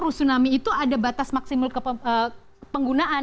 rusunami itu ada batas maksimal penggunaan